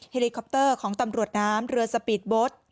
เลิคอปเตอร์ของตำรวจน้ำเรือสปีดโบสต์